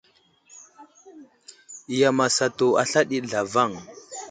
Yam asatu asla ɗi zlavaŋ.